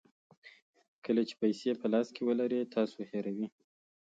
کله چې پیسې په لاس کې ولرئ تاسو هیروئ.